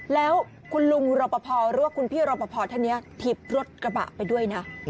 แล้วคุณลุงรปภรวกคุณพี่รปภท่านเนี่ยทิบรถกระบะไปด้วยนะ